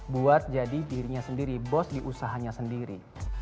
buat jadi dirinya sendiri bos di usahanya sendiri